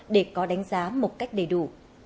để có đánh giá một cách đầy đủ